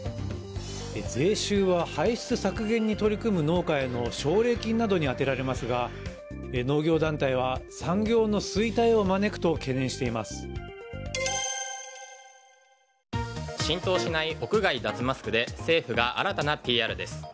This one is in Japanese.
税収は排出削減に取り組む農家への奨励金などに充てられますが農業団体は、産業の衰退を招くと浸透しない屋外脱マスクで政府が新たなＰＲです。